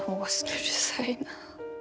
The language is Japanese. うるさいな。